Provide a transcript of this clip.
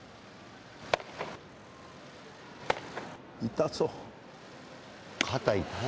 痛そう。